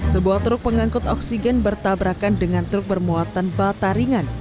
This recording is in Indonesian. sebuah truk pengangkut oksigen bertabrakan dengan truk bermuatan bataringan